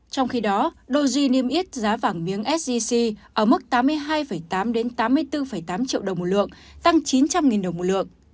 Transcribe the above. trong khi đó doge niêm yết giá vàng miếng sgc ở mức tám mươi hai tám mươi bốn tám triệu đồng một lượng tăng chín trăm linh đồng một lượng